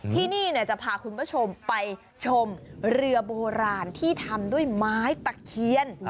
ที่นี่จะพาคุณผู้ชมไปชมเรือโบราณที่ทำด้วยไม้ตะเคียน